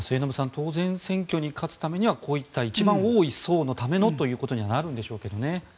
当然、選挙に勝つためにはこういった一番多い層のためのということにはなるんでしょうけどね。